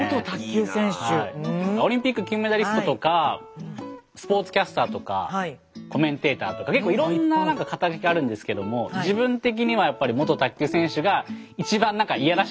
オリンピック金メダリストとかスポーツキャスターとかコメンテーターとか結構いろんな何か肩書があるんですけども自分的にはやっぱりああ。